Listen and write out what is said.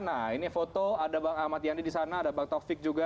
nah ini foto ada bang ahmad yani di sana ada bang taufik juga